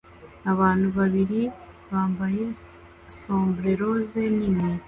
Abantu babiri bambaye sombreros nini